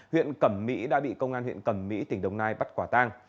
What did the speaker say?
huyện cẩm mỹ đã bị công an huyện cẩm mỹ tỉnh đồng nai bắt quả tang